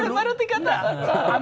ini baru baru tiga tahun